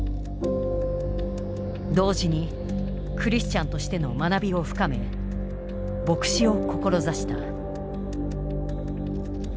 同時にクリスチャンとしての学びを深め牧師を志した。